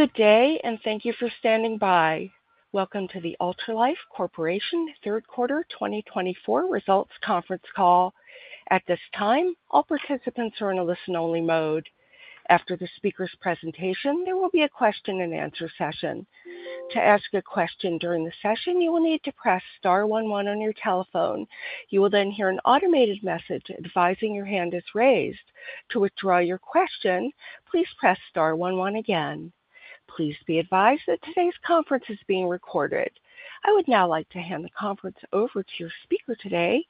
Good day, and thank you for standing by. Welcome to the Ultralife Corporation Third Quarter 2024 Results Conference Call. At this time, all participants are in a listen-only mode. After the speaker's presentation, there will be a question-and-answer session. To ask a question during the session, you will need to press star one one on your telephone. You will then hear an automated message advising your hand is raised. To withdraw your question, please press star one one again. Please be advised that today's conference is being recorded. I would now like to hand the conference over to your speaker today,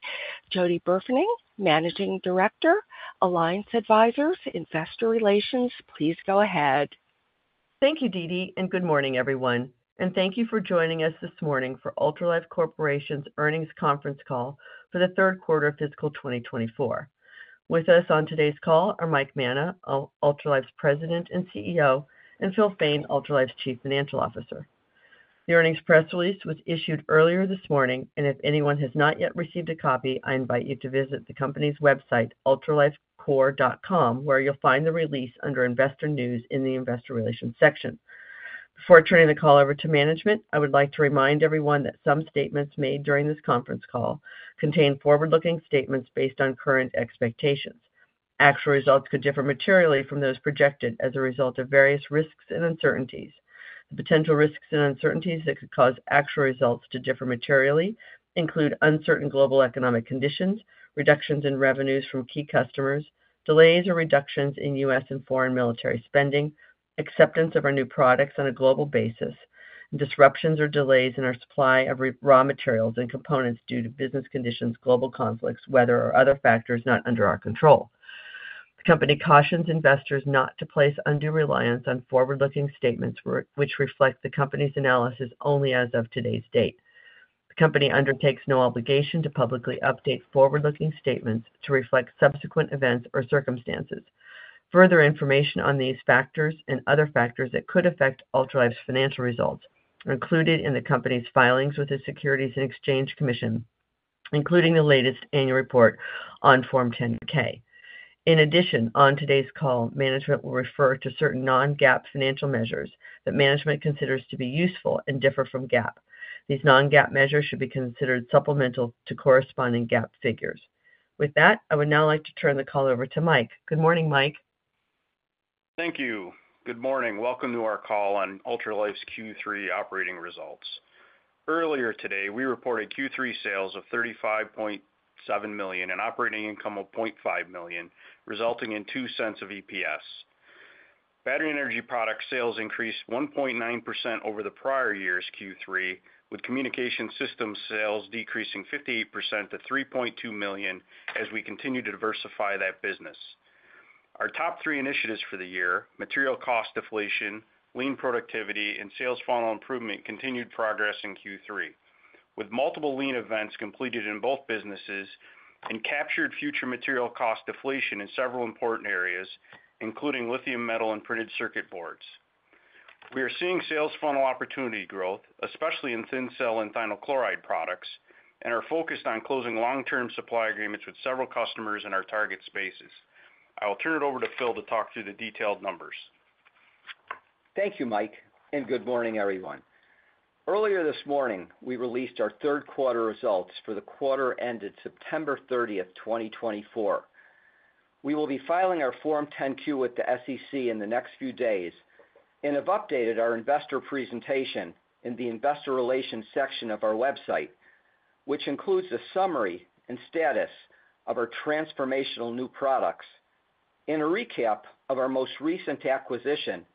Jody Burfening, Managing Director, Alliance Advisors, Investor Relations. Please go ahead. Thank you, DD, and good morning, everyone, and thank you for joining us this morning for Ultralife Corporation's Earnings Conference Call for the Third Quarter of Fiscal 2024. With us on today's call are Mike Manna, Ultralife's President and CEO, and Phil Fain, Ultralife's Chief Financial Officer. The earnings press release was issued earlier this morning, and if anyone has not yet received a copy, I invite you to visit the company's website, ultralifecorp.com, where you'll find the release under Investor News in the Investor Relations section. Before turning the call over to management, I would like to remind everyone that some statements made during this conference call contain forward-looking statements based on current expectations. Actual results could differ materially from those projected as a result of various risks and uncertainties. The potential risks and uncertainties that could cause actual results to differ materially include uncertain global economic conditions, reductions in revenues from key customers, delays or reductions in U.S. and foreign military spending, acceptance of our new products on a global basis, and disruptions or delays in our supply of raw materials and components due to business conditions, global conflicts, weather, or other factors not under our control. The company cautions investors not to place undue reliance on forward-looking statements, which reflect the company's analysis only as of today's date. The company undertakes no obligation to publicly update forward-looking statements to reflect subsequent events or circumstances. Further information on these factors and other factors that could affect Ultralife's financial results are included in the company's filings with the Securities and Exchange Commission, including the latest annual report on Form 10-K. In addition, on today's call, management will refer to certain non-GAAP financial measures that management considers to be useful and differ from GAAP. These non-GAAP measures should be considered supplemental to corresponding GAAP figures. With that, I would now like to turn the call over to Mike. Good morning, Mike. Thank you. Good morning. Welcome to our call on Ultralife's Q3 operating results. Earlier today, we reported Q3 sales of $35.7 million and operating income of $0.5 million, resulting in $0.02 EPS. Battery energy product sales increased 1.9% over the prior year's Q3, with communication systems sales decreasing 58% to $3.2 million as we continue to diversify that business. Our top three initiatives for the year (material cost deflation, lean productivity, and sales funnel improvement) continued progress in Q3, with multiple lean events completed in both businesses and captured future material cost deflation in several important areas, including lithium metal and printed circuit boards. We are seeing sales funnel opportunity growth, especially in Thin Cell and thionyl chloride products, and are focused on closing long-term supply agreements with several customers in our target spaces. I will turn it over to Phil to talk through the detailed numbers. Thank you, Mike, and good morning, everyone. Earlier this morning, we released our third quarter results for the quarter ended September 30th, 2024. We will be filing our Form 10-Q with the SEC in the next few days and have updated our investor presentation in the Investor Relations section of our website, which includes a summary and status of our transformational new products and a recap of our most recent acquisition,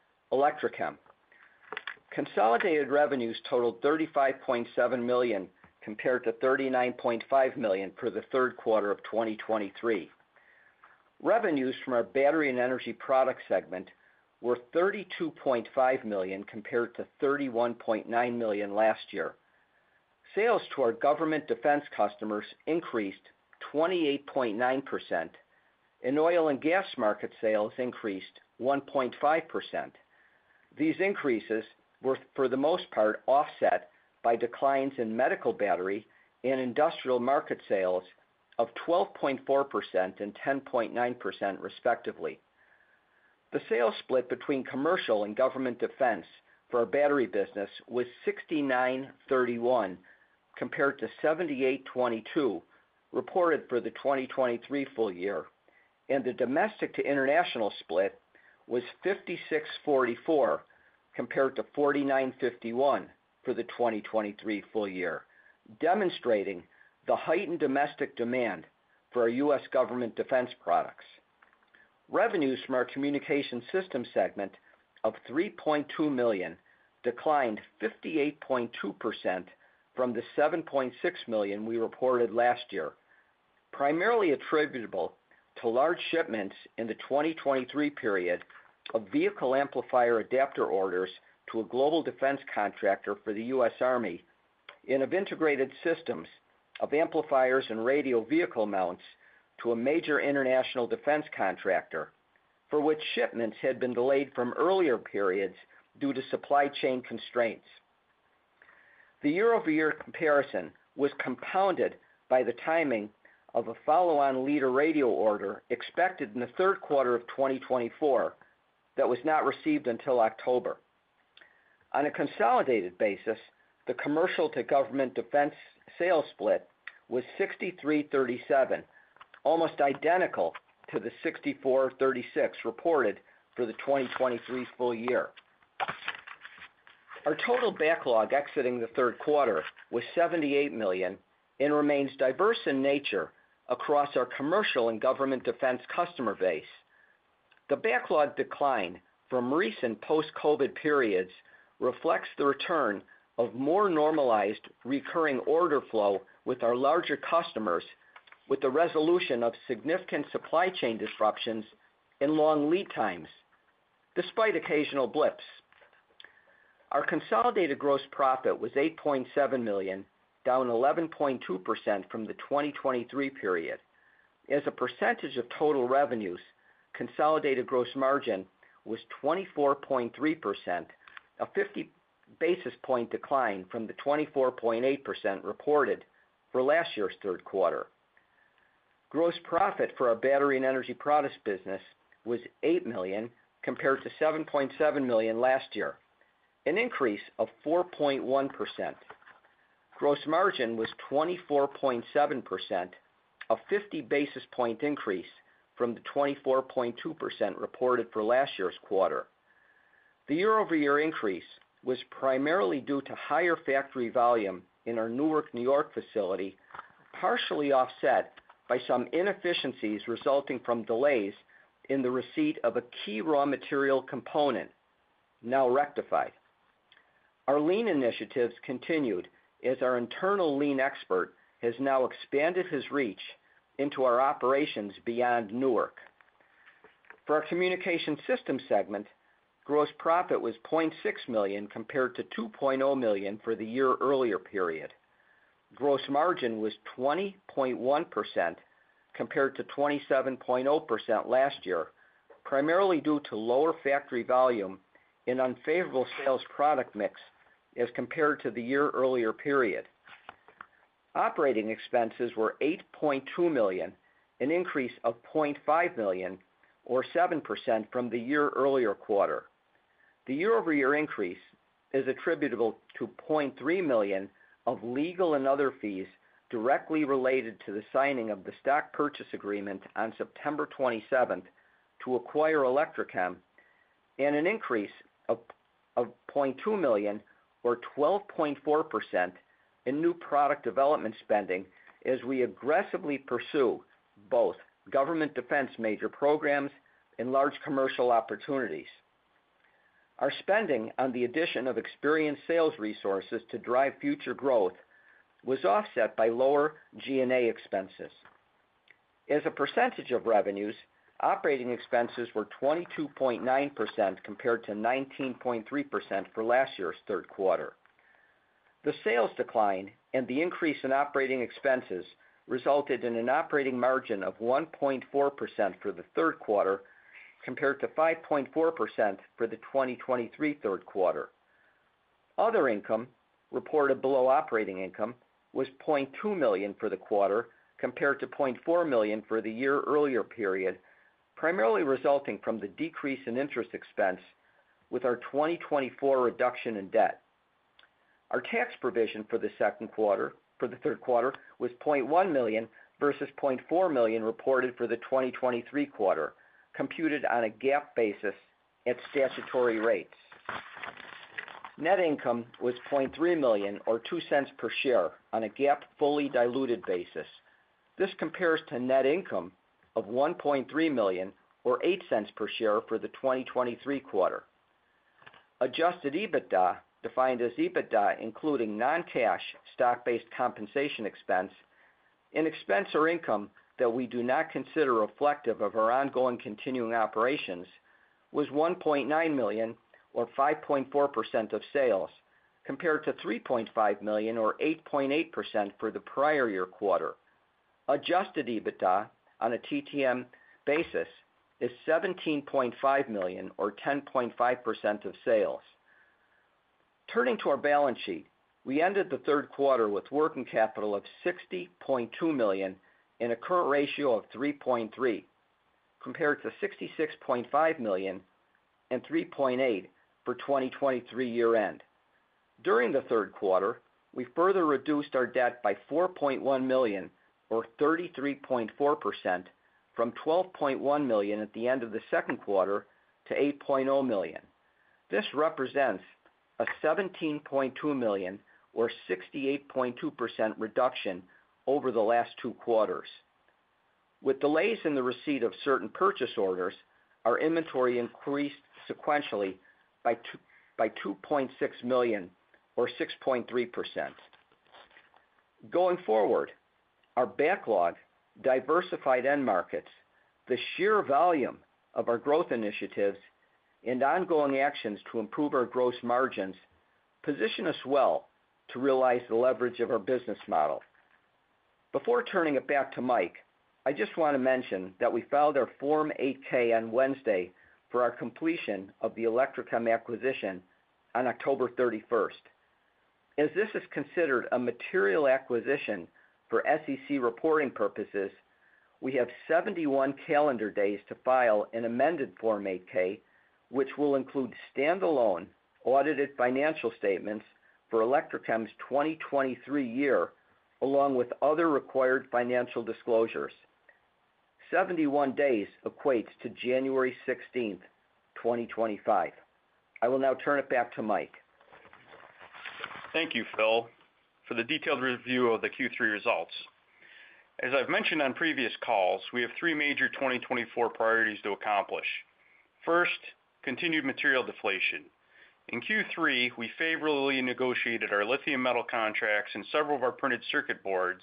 Electrochem. Consolidated revenues totaled $35.7 million compared to $39.5 million for the third quarter of 2023. Revenues from our battery and energy product segment were $32.5 million compared to $31.9 million last year. Sales to our government defense customers increased 28.9%, and oil and gas market sales increased 1.5%. These increases were, for the most part, offset by declines in medical battery and industrial market sales of 12.4% and 10.9%, respectively. The sales split between commercial and government defense for our battery business was 69.31% compared to 78.22% reported for the 2023 full year, and the domestic to international split was 56.44% compared to 49.51% for the 2023 full year, demonstrating the heightened domestic demand for our U.S. government defense products. Revenues from our communication systems segment of $3.2 million declined 58.2% from the $7.6 million we reported last year, primarily attributable to large shipments in the 2023 period of vehicle amplifier adapter orders to a global defense contractor for the U.S. Army and of integrated systems of amplifiers and radio vehicle mounts to a major international defense contractor, for which shipments had been delayed from earlier periods due to supply chain constraints. The year-over-year comparison was compounded by the timing of a follow-on Leader Radio order expected in the third quarter of 2024 that was not received until October. On a consolidated basis, the commercial to government defense sales split was 63/37, almost identical to the 64/36 reported for the 2023 full year. Our total backlog exiting the third quarter was $78 million and remains diverse in nature across our commercial and government defense customer base. The backlog decline from recent post-COVID periods reflects the return of more normalized recurring order flow with our larger customers, with the resolution of significant supply chain disruptions and long lead times, despite occasional blips. Our consolidated gross profit was $8.7 million, down 11.2% from the 2023 period. As a percentage of total revenues, consolidated gross margin was 24.3%, a 50 basis point decline from the 24.8% reported for last year's third quarter. Gross profit for our battery and energy products business was $8 million compared to $7.7 million last year, an increase of 4.1%. Gross margin was 24.7%, a 50 basis point increase from the 24.2% reported for last year's quarter. The year-over-year increase was primarily due to higher factory volume in our Newark, New York facility, partially offset by some inefficiencies resulting from delays in the receipt of a key raw material component, now rectified. Our lean initiatives continued as our internal lean expert has now expanded his reach into our operations beyond Newark. For our communication systems segment, gross profit was $0.6 million compared to $2.0 million for the year earlier period. Gross margin was 20.1% compared to 27.0% last year, primarily due to lower factory volume and unfavorable sales product mix as compared to the year earlier period. Operating expenses were $8.2 million, an increase of $0.5 million, or 7% from the year earlier quarter. The year-over-year increase is attributable to $0.3 million of legal and other fees directly related to the signing of the stock purchase agreement on September 27th to acquire Electrochem, and an increase of $0.2 million, or 12.4%, in new product development spending as we aggressively pursue both government defense major programs and large commercial opportunities. Our spending on the addition of experienced sales resources to drive future growth was offset by lower G&A expenses. As a percentage of revenues, operating expenses were 22.9% compared to 19.3% for last year's third quarter. The sales decline and the increase in operating expenses resulted in an operating margin of 1.4% for the third quarter compared to 5.4% for the 2023 third quarter. Other income reported below operating income was $0.2 million for the quarter compared to $0.4 million for the year earlier period, primarily resulting from the decrease in interest expense with our 2024 reduction in debt. Our tax provision for the third quarter was $0.1 million versus $0.4 million reported for the 2023 quarter, computed on a GAAP basis at statutory rates. Net income was $0.3 million, or $0.02 per share, on a GAAP fully diluted basis. This compares to net income of $1.3 million, or $0.08 per share, for the 2023 quarter. Adjusted EBITDA, defined as EBITDA including non-cash stock-based compensation expense, an expense or income that we do not consider reflective of our ongoing continuing operations, was $1.9 million, or 5.4% of sales, compared to $3.5 million, or 8.8% for the prior year quarter. Adjusted EBITDA on a TTM basis is $17.5 million, or 10.5% of sales. Turning to our balance sheet, we ended the third quarter with working capital of $60.2 million and a current ratio of 3.3, compared to $66.5 million and 3.8 for 2023 year-end. During the third quarter, we further reduced our debt by $4.1 million, or 33.4%, from $12.1 million at the end of the second quarter to $8.0 million. This represents a $17.2 million, or 68.2% reduction over the last two quarters. With delays in the receipt of certain purchase orders, our inventory increased sequentially by $2.6 million, or 6.3%. Going forward, our backlog, diversified end markets, the sheer volume of our growth initiatives, and ongoing actions to improve our gross margins position us well to realize the leverage of our business model. Before turning it back to Mike, I just want to mention that we filed our Form 8-K on Wednesday for our completion of the Electrochem acquisition on October 31st. As this is considered a material acquisition for SEC reporting purposes, we have 71 calendar days to file an amended Form 8-K, which will include standalone audited financial statements for Electrochem's 2023 year, along with other required financial disclosures. 71 days equates to January 16th, 2025. I will now turn it back to Mike. Thank you, Phil, for the detailed review of the Q3 results. As I've mentioned on previous calls, we have three major 2024 priorities to accomplish. First, continued material deflation. In Q3, we favorably negotiated our lithium metal contracts and several of our printed circuit boards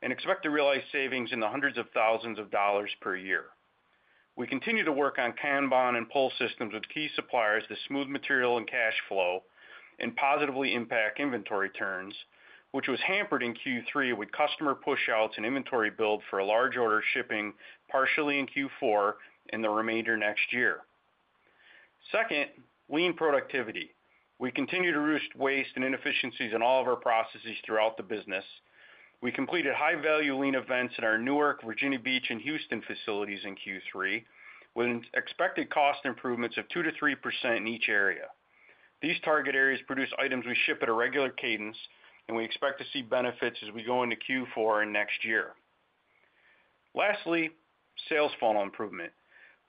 and expect to realize savings in the hundreds of thousands of dollars per year. We continue to work on Kanban and pull systems with key suppliers to smooth material and cash flow and positively impact inventory turns, which was hampered in Q3 with customer push-outs and inventory build for a large order shipping partially in Q4 and the remainder next year. Second, lean productivity. We continue to reduce waste and inefficiencies in all of our processes throughout the business. We completed high-value lean events in our Newark, Virginia Beach, and Houston facilities in Q3, with expected cost improvements of 2%-3% in each area. These target areas produce items we ship at a regular cadence, and we expect to see benefits as we go into Q4 and next year. Lastly, sales funnel improvement.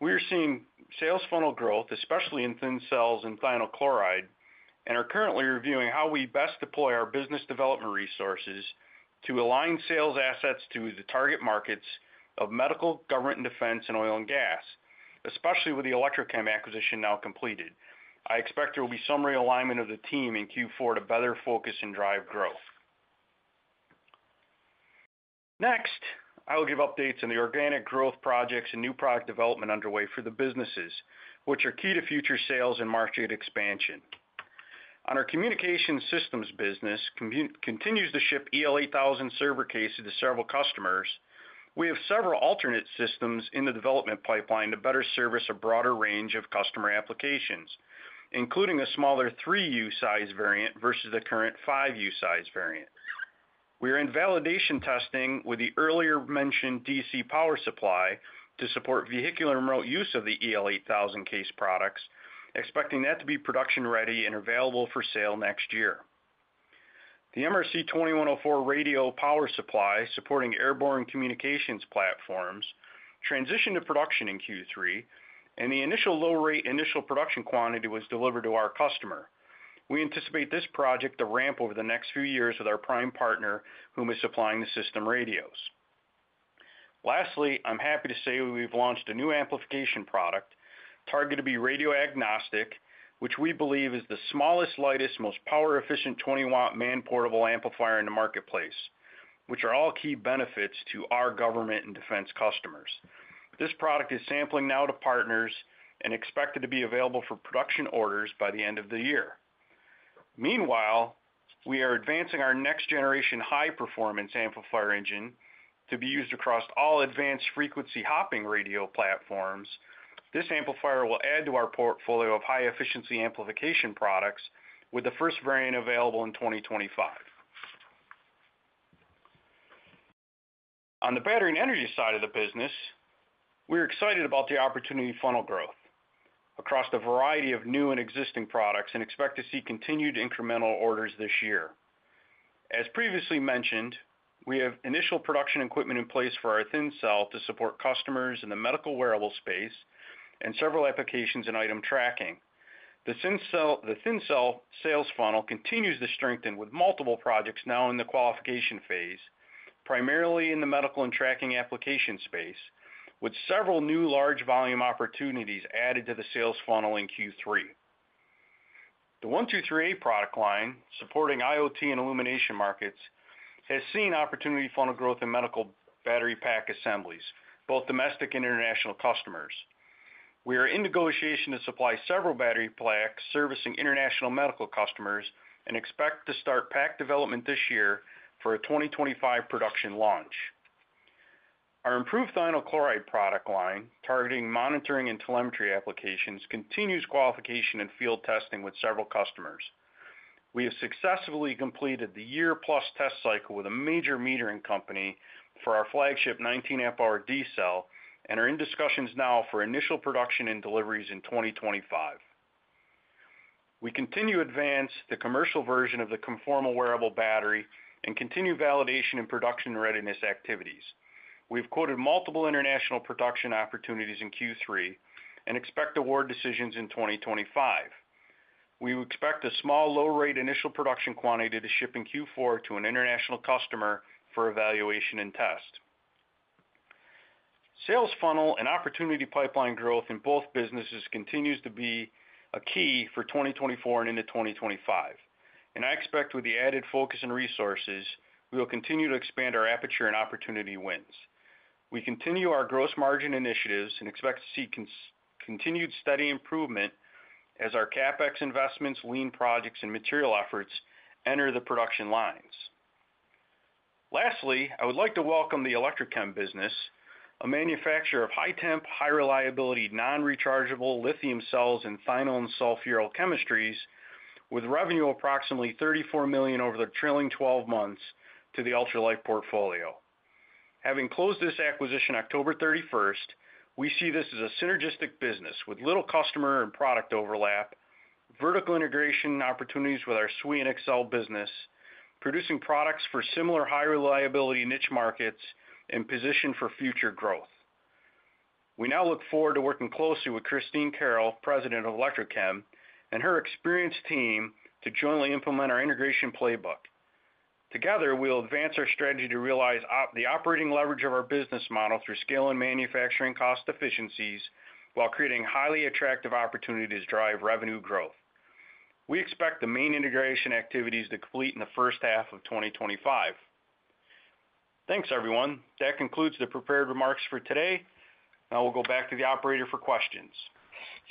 We are seeing sales funnel growth, especially in Thin Cells and thionyl chloride, and are currently reviewing how we best deploy our business development resources to align sales assets to the target markets of medical, government, and defense, and oil and gas, especially with the Electrochem acquisition now completed. I expect there will be some realignment of the team in Q4 to better focus and drive growth. Next, I will give updates on the organic growth projects and new product development underway for the businesses, which are key to future sales and market expansion. On our communication systems business continues to ship EL8000 server cases to several customers. We have several alternate systems in the development pipeline to better service a broader range of customer applications, including a smaller 3U size variant versus the current 5U size variant. We are in validation testing with the earlier mentioned DC power supply to support vehicular and remote use of the EL8000 case products, expecting that to be production-ready and available for sale next year. The MRC 2104 radio power supply supporting airborne communications platforms transitioned to production in Q3, and the initial low-rate initial production quantity was delivered to our customer. We anticipate this project to ramp over the next few years with our prime partner, who is supplying the system radios. Lastly, I'm happy to say we've launched a new amplification product targeted to be radio-agnostic, which we believe is the smallest, lightest, most power-efficient 20 W man-portable amplifier in the marketplace, which are all key benefits to our government and defense customers. This product is sampling now to partners and expected to be available for production orders by the end of the year. Meanwhile, we are advancing our next-generation high-performance amplifier engine to be used across all advanced frequency hopping radio platforms. This amplifier will add to our portfolio of high-efficiency amplification products, with the first variant available in 2025. On the battery and energy side of the business, we're excited about the opportunity funnel growth across the variety of new and existing products and expect to see continued incremental orders this year. As previously mentioned, we have initial production equipment in place for our Thin Cell to support customers in the medical wearable space and several applications and item tracking. The Thin Cell sales funnel continues to strengthen with multiple projects now in the qualification phase, primarily in the medical and tracking application space, with several new large-volume opportunities added to the sales funnel in Q3. The 123A product line supporting IoT and illumination markets has seen opportunity funnel growth in medical battery pack assemblies, both domestic and international customers. We are in negotiation to supply several battery packs servicing international medical customers and expect to start pack development this year for a 2025 production launch. Our improved thionyl chloride product line targeting monitoring and telemetry applications continues qualification and field testing with several customers. We have successfully completed the year-plus test cycle with a major metering company for our flagship 19 amp-hour D-cell and are in discussions now for initial production and deliveries in 2025. We continue to advance the commercial version of the Conformal Wearable Battery and continue validation and production readiness activities. We've quoted multiple international production opportunities in Q3 and expect award decisions in 2025. We expect a small low-rate initial production quantity to ship in Q4 to an international customer for evaluation and test. Sales funnel and opportunity pipeline growth in both businesses continues to be a key for 2024 and into 2025. I expect with the added focus and resources, we will continue to expand our aperture and opportunity wins. We continue our gross margin initiatives and expect to see continued steady improvement as our CapEx investments, lean projects, and material efforts enter the production lines. Lastly, I would like to welcome the Electrochem business, a manufacturer of high-temp, high-reliability, non-rechargeable lithium cells and thionyl chloride and sulfuryl chloride chemistries, with revenue of approximately $34 million over the trailing 12 months to the Ultralife portfolio. Having closed this acquisition October 31st, we see this as a synergistic business with little customer and product overlap, vertical integration opportunities with our SWE and Excell business, producing products for similar high-reliability niche markets and positioned for future growth. We now look forward to working closely with Khristine Carroll, President of Electrochem, and her experienced team to jointly implement our integration playbook. Together, we'll advance our strategy to realize the operating leverage of our business model through scale and manufacturing cost efficiencies while creating highly attractive opportunities to drive revenue growth. We expect the main integration activities to complete in the first half of 2025. Thanks, everyone. That concludes the prepared remarks for today. Now we'll go back to the operator for questions.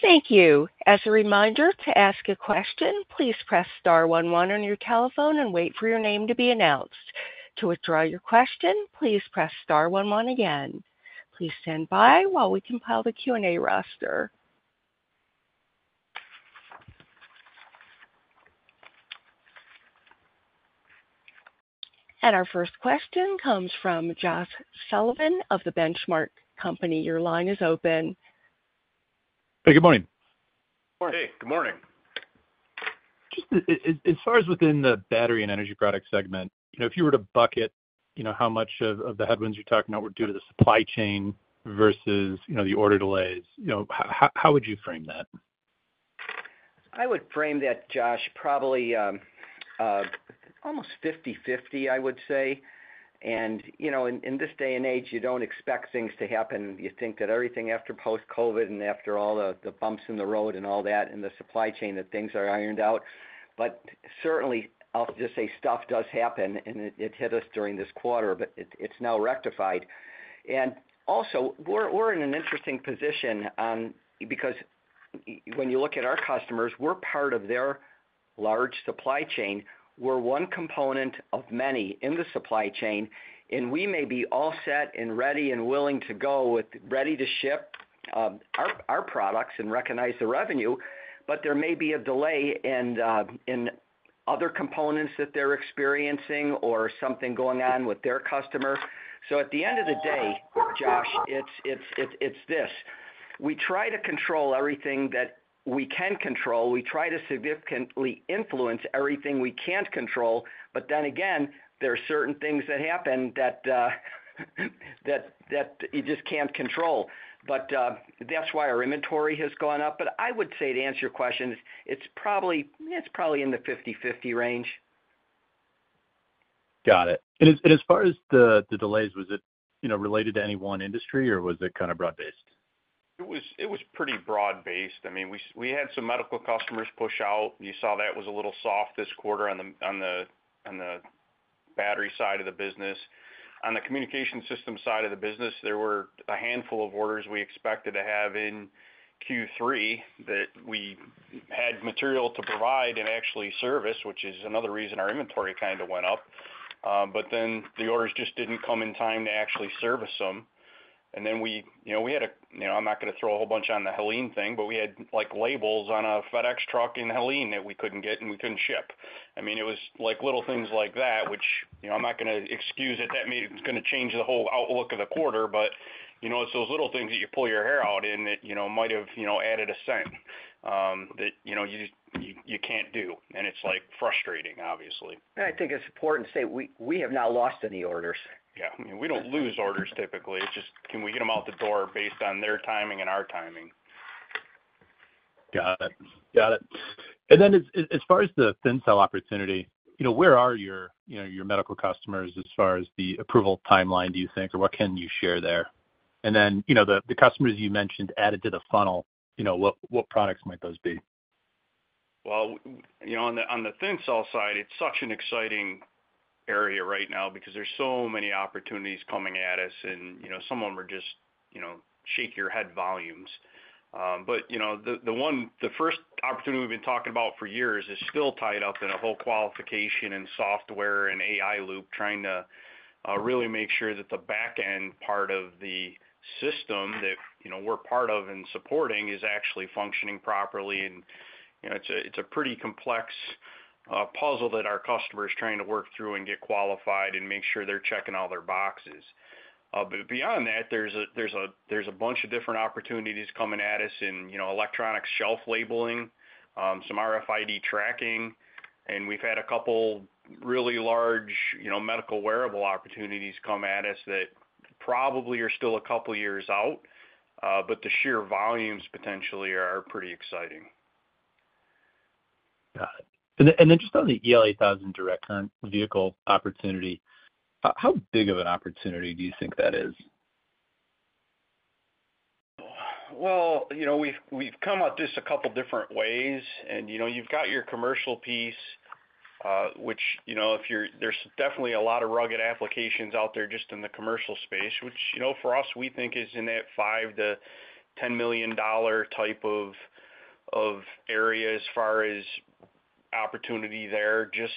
Thank you. As a reminder, to ask a question, please press star one one on your telephone and wait for your name to be announced. To withdraw your question, please press star one one again. Please stand by while we compile the Q&A roster, and our first question comes from Josh Sullivan of The Benchmark Company. Your line is open. Hey, good morning. Hey, good morning. As far as within the battery and energy product segment, if you were to bucket how much of the headwinds you're talking about were due to the supply chain versus the order delays, how would you frame that? I would frame that, Josh, probably almost 50/50, I would say, and in this day and age, you don't expect things to happen. You think that everything after post-COVID and after all the bumps in the road and all that and the supply chain that things are ironed out, but certainly, I'll just say stuff does happen, and it hit us during this quarter, but it's now rectified, and also, we're in an interesting position because when you look at our customers, we're part of their large supply chain. We're one component of many in the supply chain, and we may be all set and ready and willing to go with ready to ship our products and recognize the revenue, but there may be a delay in other components that they're experiencing or something going on with their customer, so at the end of the day, Josh, it's this. We try to control everything that we can control. We try to significantly influence everything we can't control. But then again, there are certain things that happen that you just can't control. But that's why our inventory has gone up. But I would say to answer your question, it's probably in the 50/50 range. Got it. And as far as the delays, was it related to any one industry or was it kind of broad-based? It was pretty broad-based. I mean, we had some medical customers push out. You saw that was a little soft this quarter on the battery side of the business. On the communication system side of the business, there were a handful of orders we expected to have in Q3 that we had material to provide and actually service, which is another reason our inventory kind of went up. But then the orders just didn't come in time to actually service them. And then we had a. I'm not going to throw a whole bunch on the Helene thing, but we had labels on a FedEx truck in Helene that we couldn't get and we couldn't ship. I mean, it was little things like that, which I'm not going to excuse that that means it's going to change the whole outlook of the quarter, but it's those little things that you pull your hair out in that might have added $0.01 that you can't do, and it's frustrating, obviously. I think it's important to say we have not lost any orders. Yeah. I mean, we don't lose orders typically. It's just, can we get them out the door based on their timing and our timing? Got it. Got it. And then as far as the Thin Cell opportunity, where are your medical customers as far as the approval timeline, do you think, or what can you share there? And then the customers you mentioned added to the funnel, what products might those be? On the Thin Cell side, it's such an exciting area right now because there's so many opportunities coming at us, and some of them are just shake-your-head volumes. The first opportunity we've been talking about for years is still tied up in a whole qualification and software and AI loop, trying to really make sure that the backend part of the system that we're part of and supporting is actually functioning properly. It's a pretty complex puzzle that our customer is trying to work through and get qualified and make sure they're checking all their boxes. Beyond that, there's a bunch of different opportunities coming at us in electronic shelf labeling, some RFID tracking, and we've had a couple really large medical wearable opportunities come at us that probably are still a couple of years out, but the sheer volumes potentially are pretty exciting. Got it. And then just on the EL8000 direct current vehicle opportunity, how big of an opportunity do you think that is? We've come up just a couple of different ways, and you've got your commercial piece, which there's definitely a lot of rugged applications out there just in the commercial space, which for us, we think is in that $5 million-$10 million type of area as far as opportunity there, just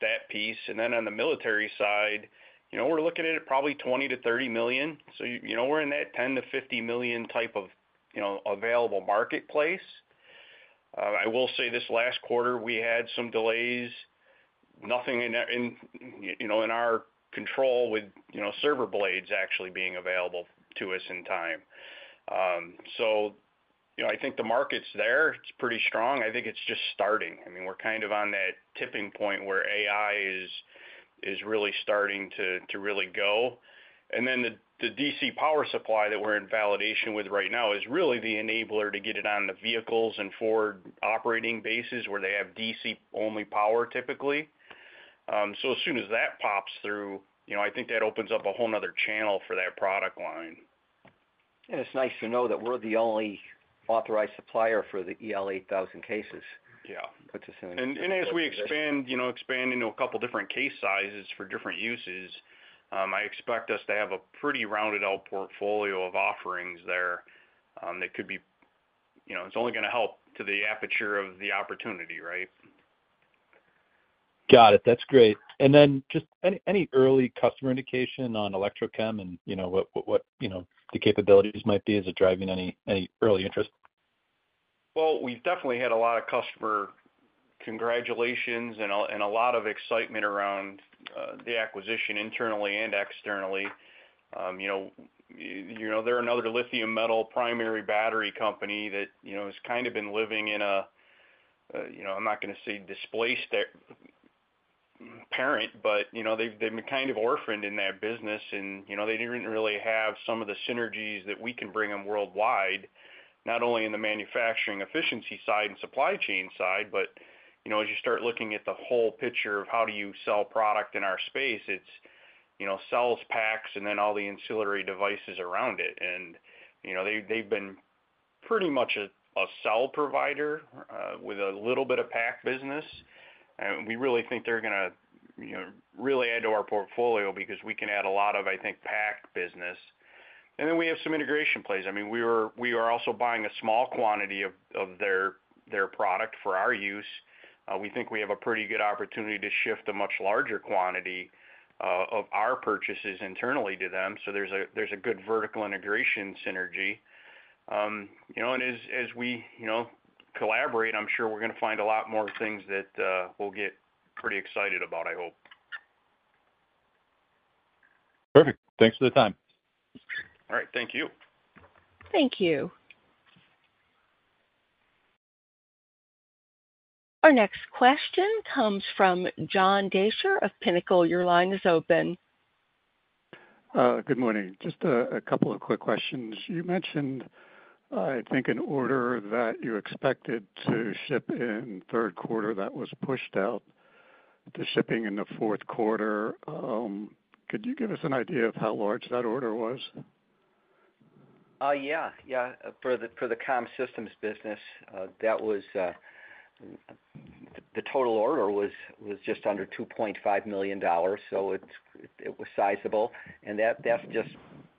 that piece, and then on the military side, we're looking at probably $20 million-$30 million, so we're in that $10 million-$50 million type of available marketplace. I will say this last quarter, we had some delays, nothing in our control with server blades actually being available to us in time. So I think the market's there. It's pretty strong. I think it's just starting. I mean, we're kind of on that tipping point where AI is really starting to really go. And then the DC power supply that we're in validation with right now is really the enabler to get it on the vehicles and forward operating bases where they have DC-only power typically. So as soon as that pops through, I think that opens up a whole nother channel for that product line. And it's nice to know that we're the only authorized supplier for the EL8000 cases. It puts us in a new position. Yeah. And as we expand into a couple of different case sizes for different uses, I expect us to have a pretty rounded-out portfolio of offerings there that could be. It's only going to help to the aperture of the opportunity, right? Got it. That's great. And then just any early customer indication on Electrochem and what the capabilities might be? Is it driving any early interest? We've definitely had a lot of customer congratulations and a lot of excitement around the acquisition internally and externally. They're another lithium metal primary battery company that has kind of been living in a, I'm not going to say displaced parent, but they've been kind of orphaned in that business. And they didn't really have some of the synergies that we can bring them worldwide, not only in the manufacturing efficiency side and supply chain side, but as you start looking at the whole picture of how do you sell product in our space, it's cells, packs, and then all the ancillary devices around it. And they've been pretty much a cell provider with a little bit of pack business. And we really think they're going to really add to our portfolio because we can add a lot of, I think, pack business. And then we have some integration plays. I mean, we are also buying a small quantity of their product for our use. We think we have a pretty good opportunity to shift a much larger quantity of our purchases internally to them. So there's a good vertical integration synergy. And as we collaborate, I'm sure we're going to find a lot more things that we'll get pretty excited about, I hope. Perfect. Thanks for the time. All right. Thank you. Thank you. Our next question comes from John Deysher of Pinnacle. Your line is open. Good morning. Just a couple of quick questions. You mentioned, I think, an order that you expected to ship in third quarter that was pushed out to shipping in the fourth quarter. Could you give us an idea of how large that order was? Oh, yeah. Yeah. For the comm systems business, the total order was just under $2.5 million. So it was sizable. And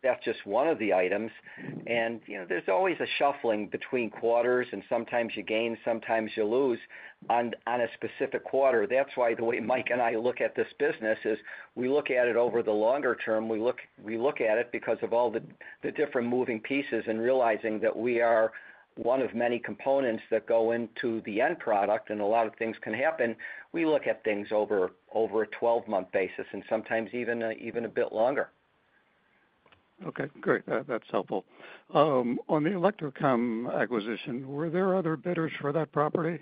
that's just one of the items. And there's always a shuffling between quarters, and sometimes you gain, sometimes you lose on a specific quarter. That's why the way Mike and I look at this business is we look at it over the longer term. We look at it because of all the different moving pieces and realizing that we are one of many components that go into the end product, and a lot of things can happen. We look at things over a 12-month basis and sometimes even a bit longer. Okay. Great. That's helpful. On the Electrochem acquisition, were there other bidders for that property?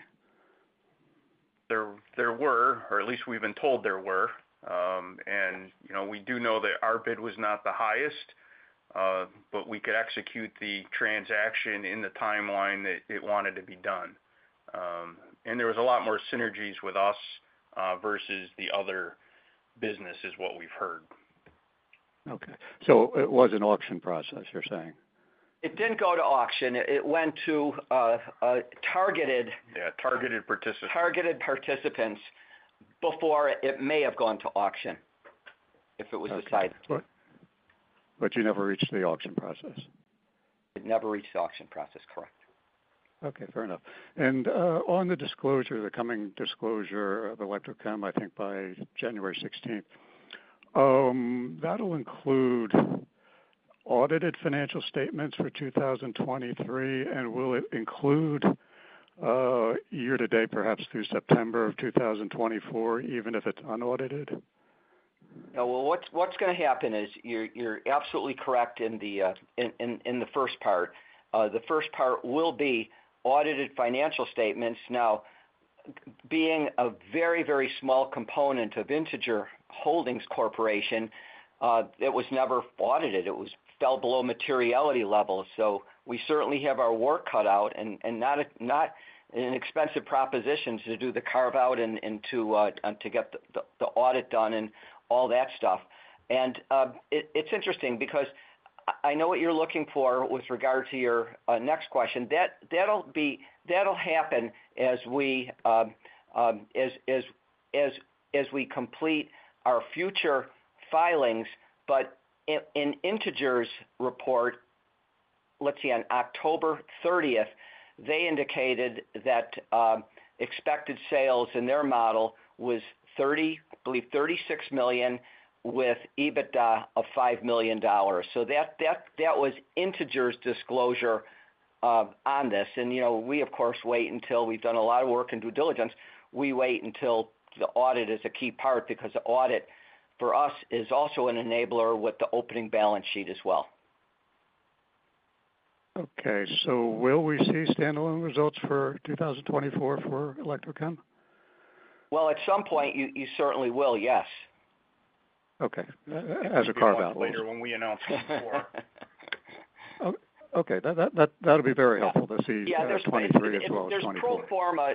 There were, or at least we've been told there were, and we do know that our bid was not the highest, but we could execute the transaction in the timeline that it wanted to be done, and there was a lot more synergies with us versus the other businesses, what we've heard. Okay. So it was an auction process, you're saying? It didn't go to auction. It went to targeted. Yeah. Targeted participants. Targeted participants before it may have gone to auction if it was decided. But you never reached the auction process. It never reached the auction process, correct. Okay. Fair enough. And on the disclosure, the coming disclosure of Electrochem, I think by January 16th, that'll include audited financial statements for 2023, and will it include year-to-date, perhaps through September of 2024, even if it's unaudited? Yeah. Well, what's going to happen is you're absolutely correct in the first part. The first part will be audited financial statements. Now, being a very, very small component of Integer Holdings Corporation, it was never audited. It fell below materiality level. So we certainly have our work cut out and not an expensive proposition to do the carve-out and to get the audit done and all that stuff. And it's interesting because I know what you're looking for with regard to your next question. That'll happen as we complete our future filings. But in Integer's report, let's see, on October 30th, they indicated that expected sales in their model was, I believe, $36 million with EBITDA of $5 million. So that was Integer's disclosure on this. And we, of course, wait until we've done a lot of work and due diligence. We wait until the audit is a key part because the audit for us is also an enabler with the opening balance sheet as well. Okay. So will we see standalone results for 2024 for Electrochem? At some point, you certainly will, yes. Okay. As a carve-out. Probably later when we announce 2024. Okay. That'll be very helpful to see 2023 as well as 2024. Yeah. There's no pro forma.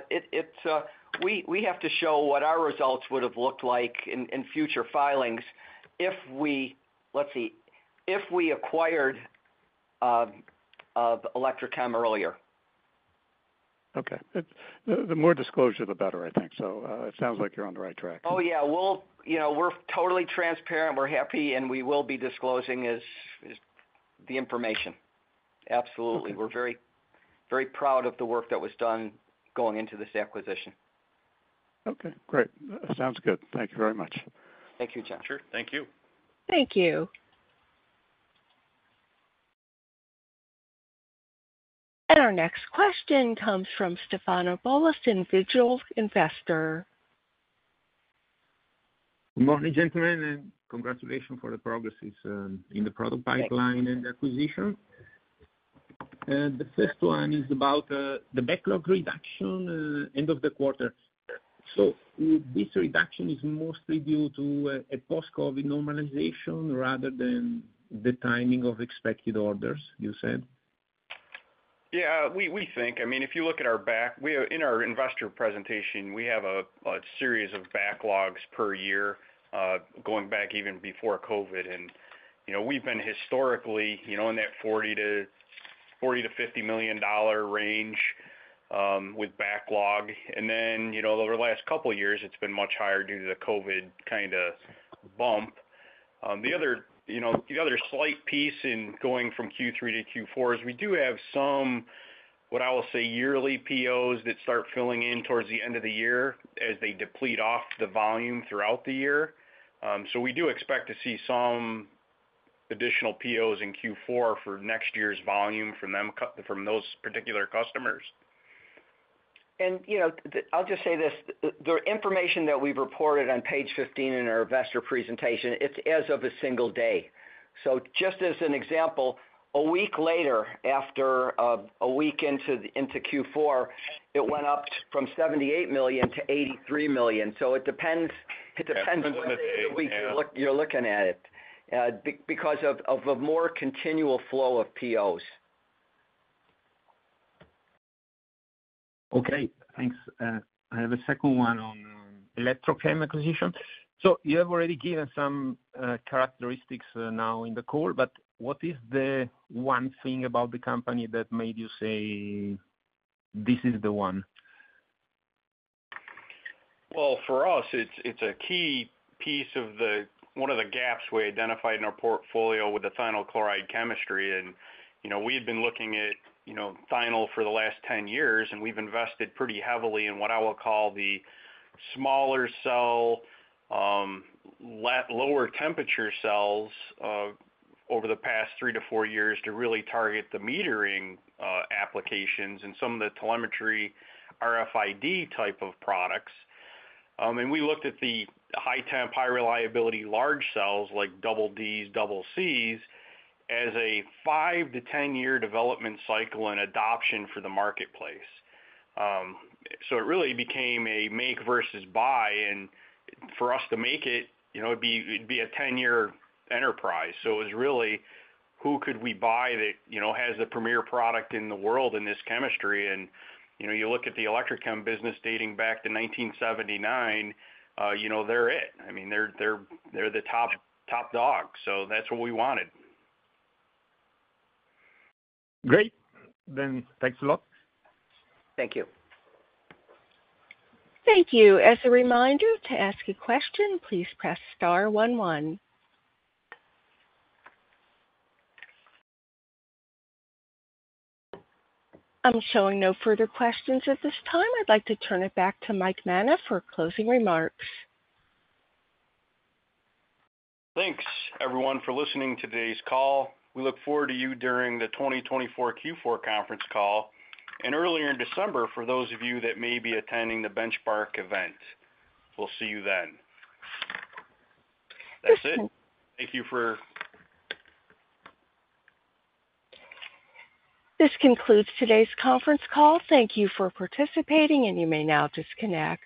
We have to show what our results would have looked like in future filings if we, let's see, if we acquired Electrochem earlier. Okay. The more disclosure, the better, I think. So it sounds like you're on the right track. Oh, yeah. We're totally transparent. We're happy, and we will be disclosing the information. Absolutely. We're very proud of the work that was done going into this acquisition. Okay. Great. Sounds good. Thank you very much. Thank you, John. Sure. Thank you. Thank you. And our next question comes from Stefano Bolasin, Digital Investor. Good morning, gentlemen, and congratulations for the progress in the product pipeline and the acquisition. And the first one is about the backlog reduction end of the quarter. So this reduction is mostly due to a post-COVID normalization rather than the timing of expected orders, you said? Yeah. We think. I mean, if you look at our backlog in our investor presentation, we have a series of backlogs per year going back even before COVID. And we've been historically in that $40 million-$50 million range with backlog. And then over the last couple of years, it's been much higher due to the COVID kind of bump. The other slight piece in going from Q3 to Q4 is we do have some, what I will say, yearly POs that start filling in towards the end of the year as they deplete off the volume throughout the year. So we do expect to see some additional POs in Q4 for next year's volume from those particular customers. I'll just say this: the information that we've reported on page 15 in our investor presentation, it's as of a single day. Just as an example, a week later, after a week into Q4, it went up from $78 million-$83 million. It depends on the day you're looking at it because of a more continual flow of POs. Okay. Thanks. I have a second one on Electrochem acquisition. So you have already given some characteristics now in the call, but what is the one thing about the company that made you say, "This is the one"? For us, it's a key piece of one of the gaps we identified in our portfolio with the thionyl chloride chemistry. We had been looking at thionyl for the last 10 years, and we've invested pretty heavily in what I will call the smaller cell, lower temperature cells over the past three to four years to really target the metering applications and some of the telemetry RFID type of products. We looked at the high-temp, high-reliability large cells like double D's, double C's as a five to ten-year development cycle and adoption for the marketplace. It really became a make versus buy. For us to make it, it'd be a 10-year enterprise. It was really, "Who could we buy that has the premier product in the world in this chemistry?" You look at the Electrochem business dating back to 1979, they're it. I mean, they're the top dog. So that's what we wanted. Great. Then, thanks a lot. Thank you. Thank you. As a reminder, to ask a question, please press star one one. I'm showing no further questions at this time. I'd like to turn it back to Mike Manna for closing remarks. Thanks, everyone, for listening to today's call. We look forward to you during the 2024 Q4 conference call and earlier in December for those of you that may be attending the Benchmark event. We'll see you then. That's it. Thank you for. This concludes today's conference call. Thank you for participating, and you may now disconnect.